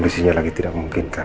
kondisinya lagi tidak memungkinkan